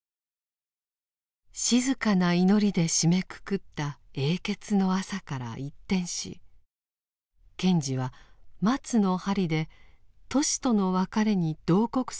静かな祈りで締めくくった「永訣の朝」から一転し賢治は「松の針」でトシとの別れに慟哭する感情をあらわにしました。